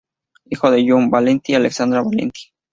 Hijo de John Valenti y Alexandra Valenti.